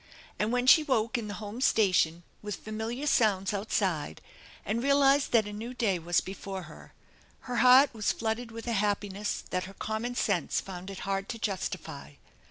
And when she woke in the home station with familiar sounds outside, and realized that a new day was before her, her heart was flooded with a happiness that her common sense found it hard to justify.